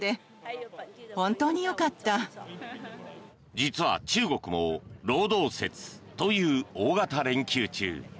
実は中国も労働節という大型連休中。